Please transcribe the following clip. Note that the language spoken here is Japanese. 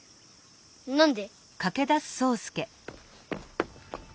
何で？